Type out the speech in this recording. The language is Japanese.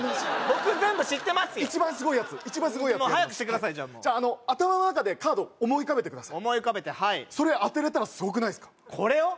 僕全部知ってますよ一番すごいやつ一番すごいやつやります早くしてくださいじゃあもう頭のなかでカード思い浮かべてください思い浮かべてはいそれ当てれたらすごくないですかこれを？